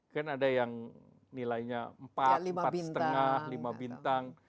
kan ada yang nilainya empat empat lima bintang